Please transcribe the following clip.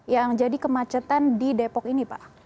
yang jadi kemacetan di depok ini pak